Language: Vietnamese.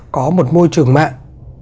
có một môi trường mạng